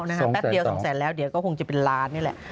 แป๊บเดียว๒แสนแล้วเดี๋ยวก็คงจะเป็นล้านนี่แหละ